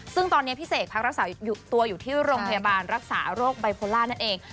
ซึ่งตอนนี้พี่เสกพักรักษาตัวอยู่ที่โรงพยาบาลรักษาโรคไบโพล่านั่นเอง